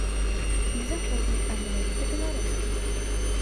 Ні заходні, а менавіта беларускі.